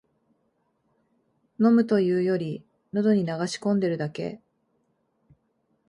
飲むというより、のどに流し込んでるだけ